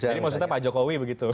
jadi maksudnya pak jokowi begitu